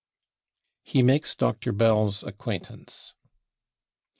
He makes Dr. Bell's Acquaintance.